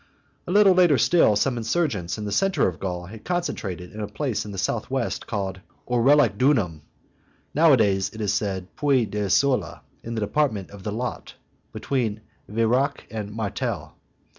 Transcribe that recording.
A little later still, some insurgents in the centre of Gaul had concentrated in a place to the south west, called Urellocdunum (nowadays, it is said, Puy d'Issola, in the department of the Lot, between Vayrac and Martel).